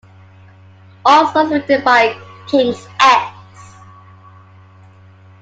All songs written by King's X.